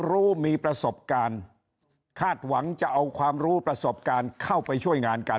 เหลศียังเช่าไปสั้นแสนไล่ทำไม